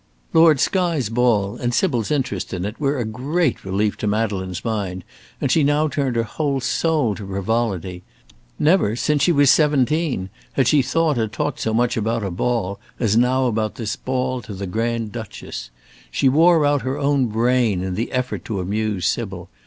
Lord Skye's ball and Sybil's interest in it were a great relief to Madeleine's mind, and she now turned her whole soul to frivolity. Never, since she was seventeen, had she thought or talked so much about a ball, as now about this ball to the Grand Duchess. She wore out her own brain in the effort to amuse Sybil.